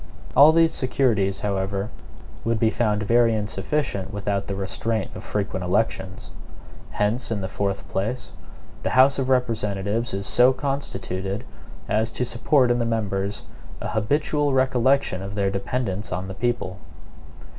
All these securities, however, would be found very insufficient without the restraint of frequent elections. Hence, in the fourth place, the House of Representatives is so constituted as to support in the members an habitual recollection of their dependence on the people.